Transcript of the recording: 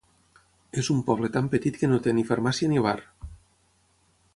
És un poble tan petit que no té ni farmàcia ni bar.